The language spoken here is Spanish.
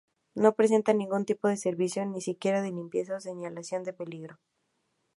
No presenta ningún tipo de servicio, ni siquiera de limpieza, o señalización de peligro.